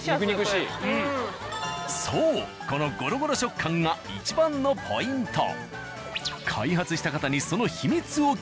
そうこのゴロゴロ食感がいちばんのポイント。